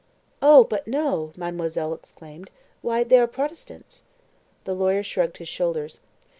"Oh, but no!" Mademoiselle Thérèse exclaimed. "Why, they are Protestants." The lawyer shrugged his shoulders.